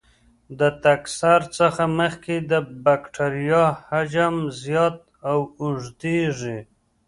د تکثر څخه مخکې د بکټریا حجم زیات او اوږدیږي.